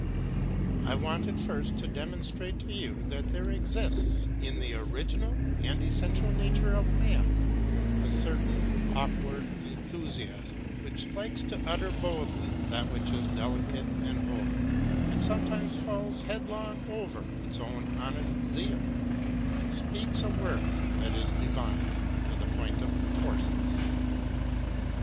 I wanted first to demonstrate to you that there exists in the original and essential nature of man a certain awkward enthusiasm which likes to utter boldly that which is delicate and holy, and sometimes falls headlong over its own honest zeal and speaks a word that is divine to the point of coarseness.